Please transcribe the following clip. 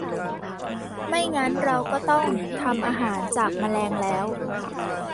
ไม่งั้นเราก็ต้องทำอาหารจากแมลงแล้ว